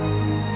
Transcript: biar aku rindu